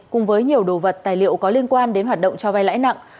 cùng với nhiều đồ vật tài liệu có liên quan đến hoạt động cho vay lãi nặng